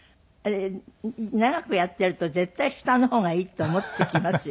長くやってると絶対下の方がいいって思ってきますよ。